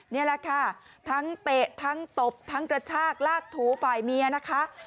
นี่แหละค่ะทั้งเตะทั้งตบทั้งกระชากลากถูฝ่ายเมียนะคะ